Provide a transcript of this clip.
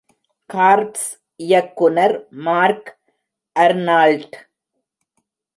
Corps இயக்குனர் Mark Arnold.